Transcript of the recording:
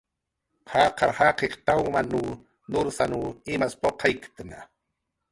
Jaqar jaqiq tawmanw nursanw imas puqayktna